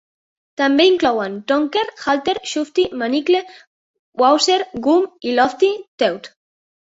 També inclouen "Tonker" Halter, "Shufti" Manickle, "Wazzer" Goom i "Lofty" Tewt.